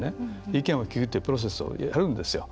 意見を聞くというプロセスをやるんですよ。